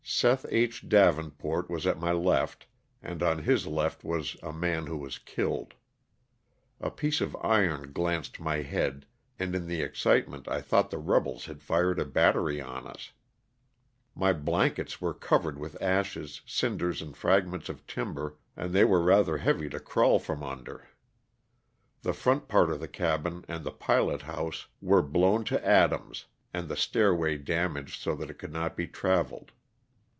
Seth H. Davenport was at my left and on his left was a man who was killed. A piece of iron glanced my head, and in the excitement I thought the rebels had fired a battery on u?. My blankets were covered with ashes, cinders and fragments of timber and they were rather heavy to crawl from under. The front part of the cabin and the pilot house were blown to atoms and the stairway damaged so it could not be traveled.